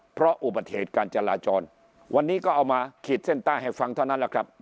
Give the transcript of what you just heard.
เพราะอุบัติเหตุการจราจรวันนี้ก็เอามาขีดเส้นใต้ให้ฟังเท่านั้นแหละครับ